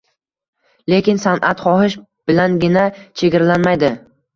Lekin san’at xohish bilangina chegaralanmaydi.